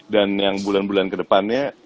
dan yang bulan bulan kedepannya